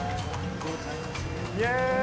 イエーイ。